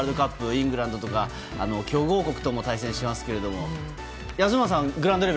イングランドとか強豪国とも対戦しますけども。